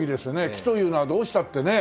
木というのはどうしたってね。